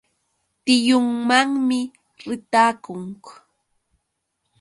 Tiyunmanmi ritakun.